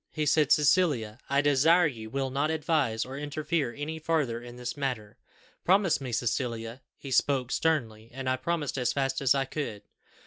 He said, 'Cecilia, I desire you will not advise or interfere any farther in this matter. Promise me, Cecilia!' He spoke sternly, and I promised as fast as I could.